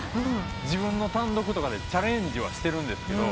自分の単独とかでチャレンジはしてるんですけど。